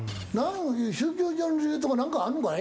宗教上の理由とかなんかあるのかい？